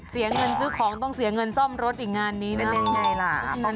เสียเงินซื้อของต้องเสียเงินซ่อมรถอีกงานนี้นั่นยังไงล่ะ